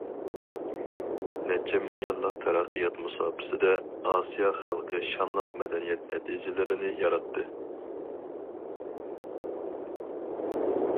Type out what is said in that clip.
نەچچە مىڭ يىللىق تەرەققىيات مۇساپىسىدە، ئاسىيا خەلقى شانلىق مەدەنىيەت نەتىجىلىرىنى ياراتتى.